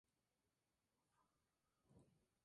Parte de sus obras se conservan en el Museo de Grenoble.